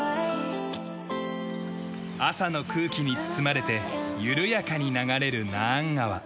朝の空気に包まれて緩やかに流れるナーン川。